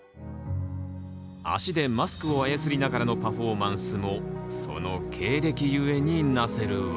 足でマスクを操りながらのパフォーマンスもその経歴故になせる技。